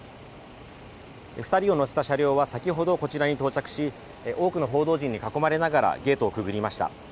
２人を乗せた車両は先ほどこちらに到着し、多くの報道陣に囲まれながらゲートをくぐりました。